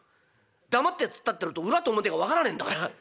黙って突っ立ってると裏と表が分からねえんだから。